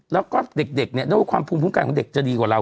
แล้วก็เด็กเนี่ยด้วยว่าความภูมิคุ้มกันของเด็กจะดีกว่าเรา